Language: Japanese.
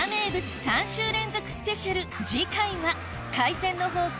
次回は海鮮の宝庫